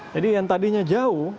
jadi yang tadinya jauh